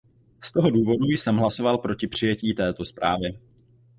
Z toho důvodu jsem hlasoval proti přijetí této zprávy.